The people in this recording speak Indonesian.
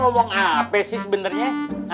lu mau ngomong apa sih sebenernya